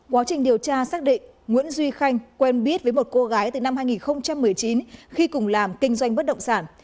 quá trình điều tra xác định nguyễn duy khanh quen biết với một cô gái từ năm hai nghìn một mươi chín khi cùng làm kinh doanh bất động sản